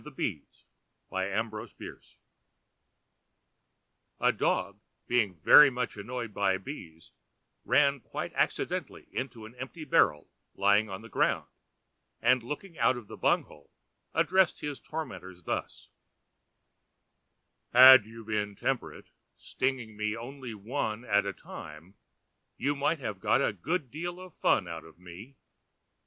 THE DOG AND THE BEES A dog being very much annoyed by bees, ran quite accidently into an empty barrel lying on the ground, and looking out at the bung hole, addressed his tormentors thus: "Had you been temperate, stinging me only one at a time, you might have got a good deal of fun out of me.